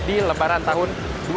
di lebaran tahun dua ribu dua puluh